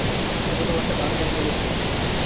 সে তো তোমাকে বারবার বলেছি।